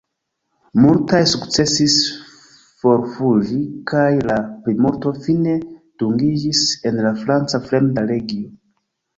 Multaj sukcesis forfuĝi kaj la plimulto fine dungiĝis en la franca fremda legio.